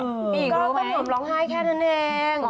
ก็ผมร้องไห้แค่นั้นเอง